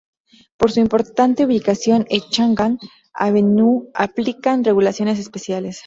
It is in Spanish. Por su importante ubicación, en Chang'an Avenue aplican regulaciones especiales.